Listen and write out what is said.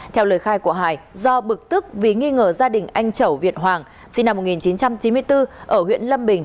theo lời khai của hải do bực tức vì nghi ngờ gia đình anh chẩu việt hoàng sinh năm một nghìn chín trăm chín mươi bốn ở huyện lâm bình